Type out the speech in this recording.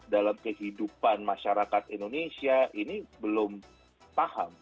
dalam kehidupan masyarakat indonesia ini belum paham